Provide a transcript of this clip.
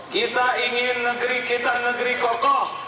kita ingin negeri kita negeri kokoh